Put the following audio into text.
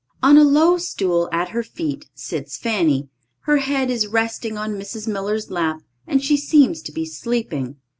On a low stool, at her feet, sits Fanny. Her head is resting on Mrs. Miller's lap, and she seems to be sleeping.